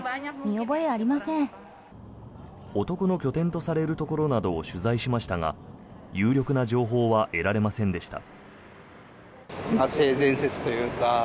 男の拠点とされるところなどを取材しましたが有力な情報は得られませんでした。